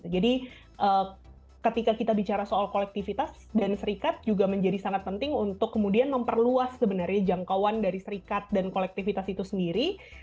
jadi ketika kita bicara soal kolektivitas dan serikat juga menjadi sangat penting untuk kemudian memperluas sebenarnya jangkauan dari serikat dan kolektivitas itu sendiri